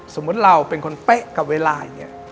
สมมุติเราเป็นคนเป๊ะกับเวลาอย่างนี้